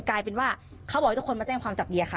กลายเป็นว่าเขาบอกให้ทุกคนมาแจ้งความจับเดียค่ะ